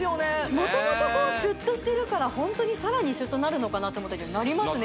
元々シュッとしてるからホントにさらにシュッとなるのかなって思ったけどなりますね